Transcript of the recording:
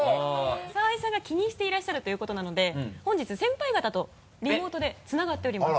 澤井さんが気にしていらっしゃるということなので本日先輩方とリモートでつながっております。